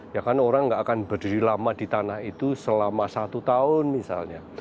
ya kan orang nggak akan berdiri lama di tanah itu selama satu tahun misalnya